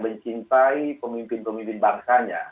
mencintai pemimpin pemimpin bangsanya